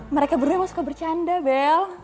mereka berdua emang suka bercanda bel